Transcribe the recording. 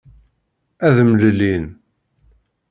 Ad mlellin.